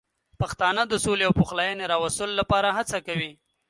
پښتانه د سولې او پخلاینې راوستلو لپاره هڅه کوي.